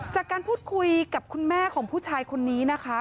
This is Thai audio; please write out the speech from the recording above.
จากการพูดคุยกับคุณแม่ของผู้ชายคนนี้นะคะ